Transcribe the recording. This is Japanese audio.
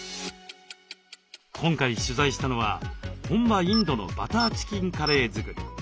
今回取材したのは本場インドのバターチキンカレー作り。